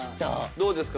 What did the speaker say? どうですか？